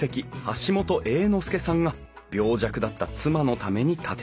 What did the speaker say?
橋本英之助さんが病弱だった妻のために建てた。